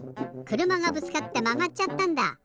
くるまがぶつかってまがっちゃったんだ！